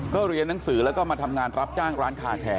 ก็เรียนหนังสือแล้วก็มาทำงานรับจ้างร้านคาแคร์